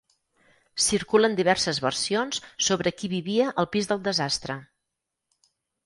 Circulen diverses versions sobre qui vivia al pis del desastre.